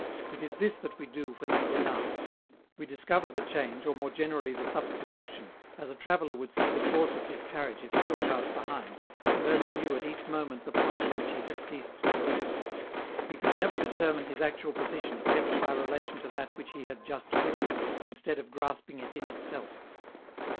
It is this that we do when we deny. We discover the change, or more generally the substitution, as a traveller would see the course of his carriage if he looked out behind, and only knew at each moment the point at which he had ceased to be; he could never determine his actual position except by relation to that which he had just quitted, instead of grasping it in itself.